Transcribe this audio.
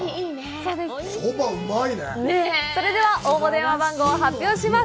それではプレゼント応募電話番号を発表します。